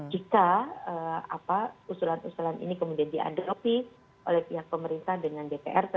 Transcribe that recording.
jika usulan usulan ini kemudian diadopsi oleh pihak pemerintah dengan jadwal kekerasan seksual